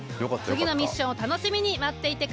次のミッションを楽しみに待っていてくれ。